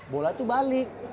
bola itu balik